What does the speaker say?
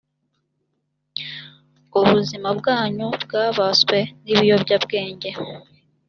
ubuzima rwanyu rwabaswe n’ ibiyobyabwenge